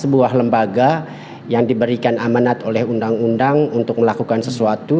sebuah lembaga yang diberikan amanat oleh undang undang untuk melakukan sesuatu